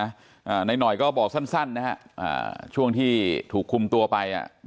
อ่านายหน่อยก็บอกสั้นสั้นนะฮะอ่าช่วงที่ถูกคุมตัวไปอ่ะ